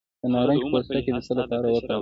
د نارنج پوستکی د څه لپاره وکاروم؟